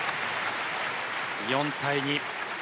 ４対２。